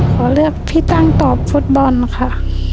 ขอเลือกพี่ตั้งตอบฟุตบอลค่ะ